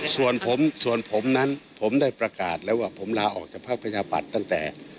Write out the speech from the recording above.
ส่วนผมนั้นผมได้ประกาศแล้วว่าผมลาออกจากพรรคพยาบาทตั้งแต่